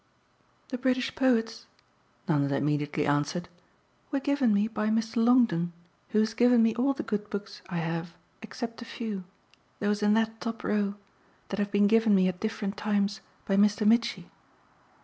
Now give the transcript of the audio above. "The British Poets," Nanda immediately answered, "were given me by Mr. Longdon, who has given me all the good books I have except a few those in that top row that have been given me at different times by Mr. Mitchy.